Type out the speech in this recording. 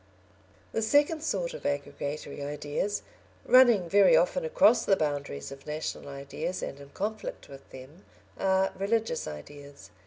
The second sort of aggregatory ideas, running very often across the boundaries of national ideas and in conflict with them, are religious ideas.